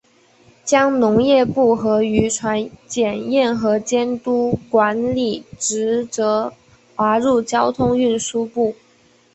将农业部的渔船检验和监督管理职责划入交通运输部。